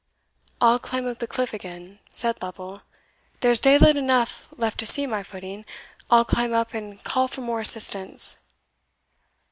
"I'll climb up the cliff again," said Lovel "there's daylight enough left to see my footing; I'll climb up, and call for more assistance."